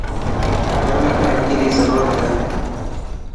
ٿر ۾ ترقي ري ضرورت هي.